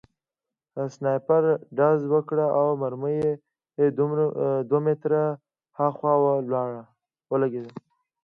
سنایپر ډز وکړ او مرمۍ دوه متره هاخوا ولګېده